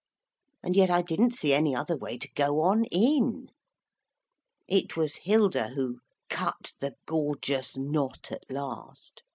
And yet I didn't see any other way to go on in. It was Hilda who cut the Gorgeous knot at last.